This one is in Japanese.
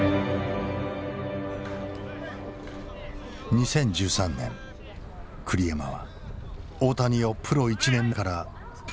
２０１３年栗山は大谷をプロ１年目から二刀流で起用した。